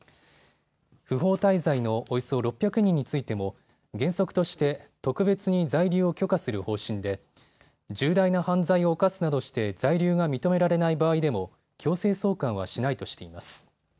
不法滞在のおよそ６００人についても原則として特別に在留を許可する方針で重大な犯罪を犯すなどして在留が認められない場合でも強制送還はしないとしています。